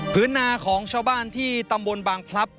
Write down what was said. นาของชาวบ้านที่ตำบลบางพลับ